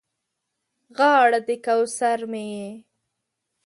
غاړه د کوثر مې یې